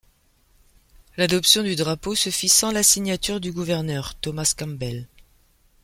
L'adoption du drapeau se fit sans la signature du gouverneur, Thomas Campbell.